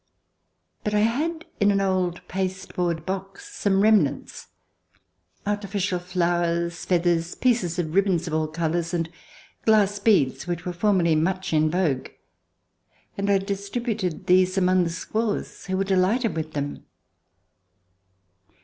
But I had in an old paste board box some remnants (artificial flowers, feathers, pieces of ribbons of all colors and glass beads, which were formerly much in vogue) and I distributed these among the squaws, who were delighted with them.